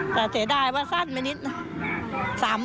แต่เสียดายว่าสั้นไปนิดนะ